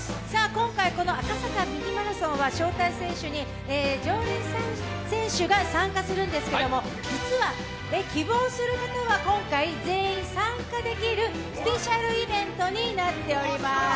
今回、「赤坂ミニマラソン」は招待選手に常連選手が参加するんですけれども、実は希望する方は今回全員参加できるスペシャルイベントになっております。